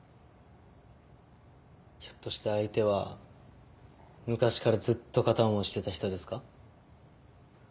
ひょっとして相手は昔からずっと片思いしてた人ですか？